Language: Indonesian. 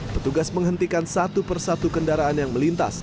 petugas menghentikan satu persatu kendaraan yang melintas